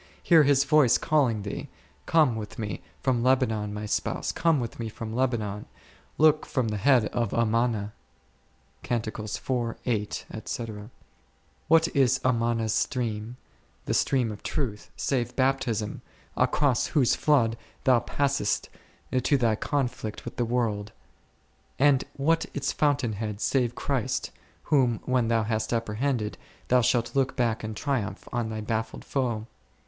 Hear His voice calling thee, Come with Me from Lebanon, My spouse, come with Me from Lebanon; look from the head of Amana c . What is Amana's stream, the stream of Truth, save Baptism, across whose flood thou passest to thy conflict with the world ; and what its fountain head save Christ, whom when thou hast apprehended, thou shalt look back in triumph on thy baffled foe